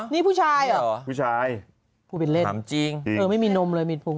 นี่ผู้ชายเหรอผู้ชายผู้เป็นเล่นจริงเธอไม่มีนมเลยมีพุง